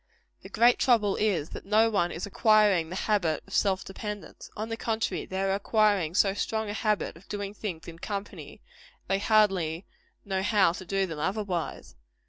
The great trouble is, that no one is acquiring the habit of self dependence. On the contrary, they are acquiring so strong a habit of doing things in company, that they hardly know how to do them otherwise.